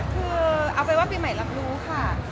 คือเอาไปว่าปีใหม่รับรู้ค่ะ